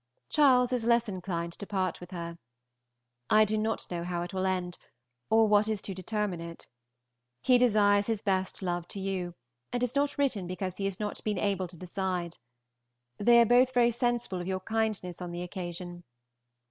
Charles is less inclined to part with her. I do not know how it will end, or what is to determine it. He desires his best love to you, and has not written because he has not been able to decide. They are both very sensible of your kindness on the occasion.